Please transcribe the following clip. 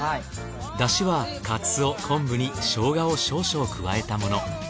だしはカツオ昆布にショウガを少々加えたもの。